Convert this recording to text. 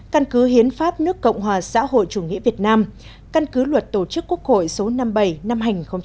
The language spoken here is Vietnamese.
căn cứ hiến pháp nước cộng hòa xã hội chủ nghĩa việt nam căn cứ luật tổ chức quốc hội số năm mươi bảy năm hai nghìn một mươi ba